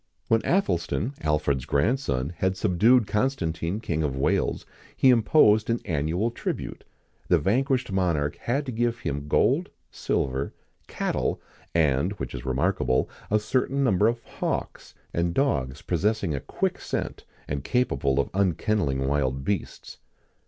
When Athelstan, Alfred's grandson, had subdued Constantine King of Wales, he imposed an annual tribute. The vanquished monarch had to give him gold, silver, cattle, and, which is remarkable, a certain number of hawks, and dogs possessing a quick scent, and capable of unkenneling wild beasts.